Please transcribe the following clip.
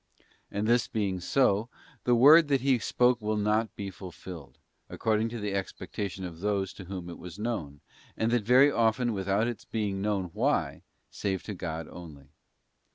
And this being so, the word that He spoke will not be fulfilled according to the expectation of those to whom it was known, and that very often without its being known why, save to God only.